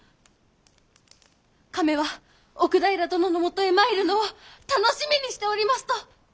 亀は奥平殿のもとへ参るのを楽しみにしておりますと！